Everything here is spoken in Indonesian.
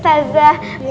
itu maju bukan aku